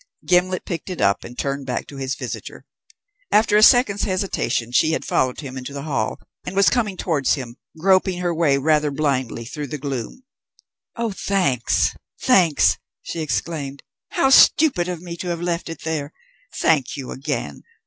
Gimblet picked it up and turned back to his visitor. After a second's hesitation she had followed him into the hall and was coming towards him, groping her way rather blindly through the gloom. "Oh, thanks, thanks!" she exclaimed. "How stupid of me to have left it there. Thank you again.